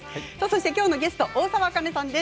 きょうのゲストは大沢あかねさんです。